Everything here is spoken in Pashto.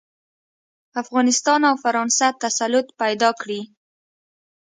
افغانستان او فرانسه تسلط پیدا کړي.